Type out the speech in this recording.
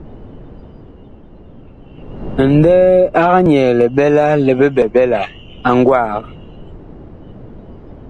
Nlɛɛ ag nyɛɛ liɓɛla li biɓɛɓɛla a gwaag.